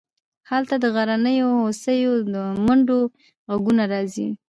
هلته د غرنیو هوسیو د منډو غږونه راځي